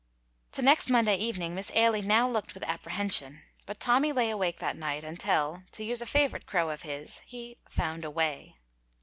To next Monday evening Miss Ailie now looked with apprehension, but Tommy lay awake that night until, to use a favorite crow of his, he "found a way."